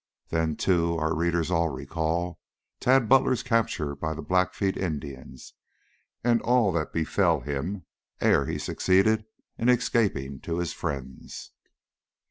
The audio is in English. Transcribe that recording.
Then, too, our readers all recall Tad Butler's capture by the Blackfeet Indians, and all that befell him ere he succeeded in escaping to his friends.